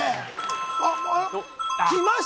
あっきましたね